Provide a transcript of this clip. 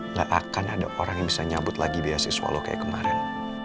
nggak akan ada orang yang bisa nyambut lagi beasiswa lo kayak kemarin